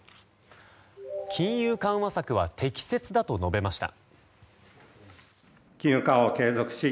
金融緩和策は適切だと述べました。